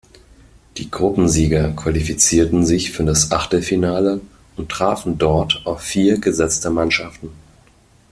Die Gruppensieger qualifizierten sich für das Achtelfinale und trafen dort auf vier gesetzte Mannschaften.